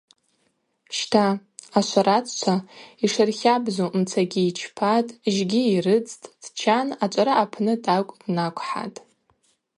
Щта, ашварацчва йшырхабзу – мцагьи йчпатӏ, жьгьи йрыдзтӏ, дчан ачӏвара апны тӏакӏв днаквхӏатӏ.